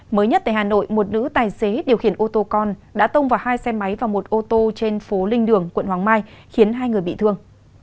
mới nhất tại hà nội một nữ tài xế điều khiển ô tô con đã tông vào hai xe máy và một ô tô trên phố linh đường quận hoàng mai khiến hai người bị thương